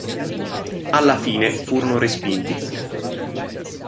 Alla fine furono respinti.